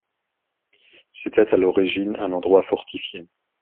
C'était à l'origine un endroit fortifié.